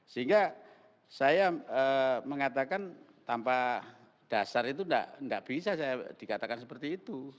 sehingga saya mengatakan tanpa dasar itu tidak bisa saya dikatakan seperti itu